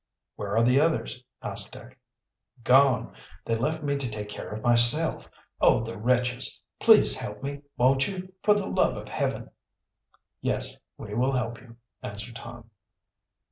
"Where are the others?" asked Dick. "Gone! They left me to take care of myself. Oh, the wretches! Please help me; won't you, for the love of Heaven!" "Yes, we will help you," answered Tom.